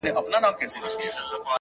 ما خو خپل زړه هغې ته وركړى ډالۍ.